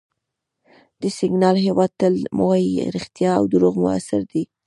د سینیګال هېواد متل وایي رښتیا او دروغ موثر دي.